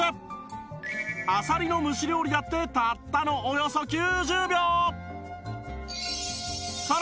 あさりの蒸し料理だってたったのおよそ９０秒！